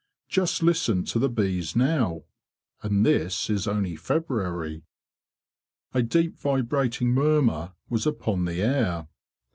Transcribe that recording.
Just listen to the bees now! And this is only February!" A deep vibrating murmur was upon the air.